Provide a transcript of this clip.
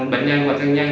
bệnh nhân và thân nhân